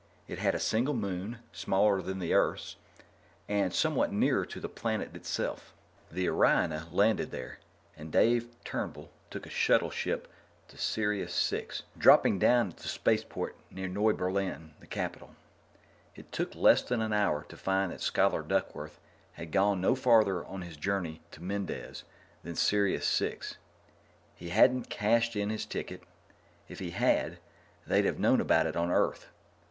It had a single moon, smaller than Earth's and somewhat nearer to the planet itself. The Oriona landed there, and Dave Turnbull took a shuttle ship to Sirius VI, dropping down at the spaceport near Noiberlin, the capital. It took less than an hour to find that Scholar Duckworth had gone no farther on his journey to Mendez than Sirius VI. He hadn't cashed in his ticket; if he had, they'd have known about it on Earth.